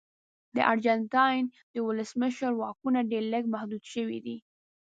د ارجنټاین د ولسمشر واکونه ډېر لږ محدود شوي دي.